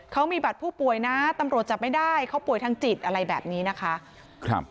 เขามีบัตรผู้ป่วยนะตำรวจจับไม่ได้เขาป่วยทางจิตอะไรแบบนี้นะคะ